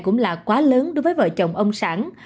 cũng là quá lớn đối với vợ chồng ông sản